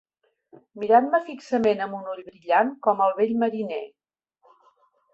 Mirant-me fixament amb un ull brillant, com el vell mariner.